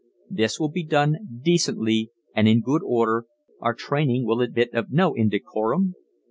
This will be done decently and in good order our training will admit of no indecorum.